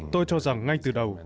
tôi cho rằng ngay từ đầu